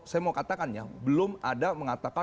saya mau katakannya belum ada mengatakan